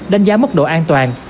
đánh giá mức độ an toàn